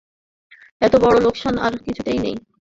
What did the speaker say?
এতবড়ো লোকসান আর কিছুই নেই।